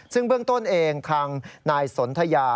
ซึ่งเบื้องต้นเองทางนายสนทยา